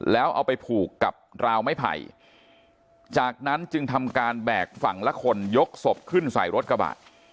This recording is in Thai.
แล้วเอาไปผูกกับราวไม้ไผ่จากนั้นจึงทำการแบกฝั่งละคนยกศพขึ้นใส่รถกระบะ